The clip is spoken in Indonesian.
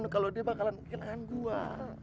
kalo dia bakalan pikirin gue